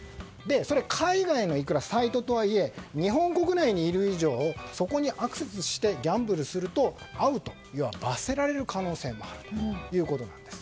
それは海外のサイトとはいえ日本国内にいる以上そこにアクセスしてギャンブルするとアウト罰せられる可能性もあるんです。